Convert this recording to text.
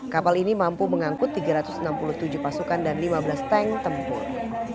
kapal ini mampu mengangkut tiga ratus enam puluh tujuh pasukan dan lima belas tank tempur